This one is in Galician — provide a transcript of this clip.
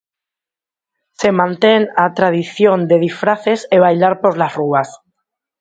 Se mantén a tradición de disfraces e bailar polas rúas.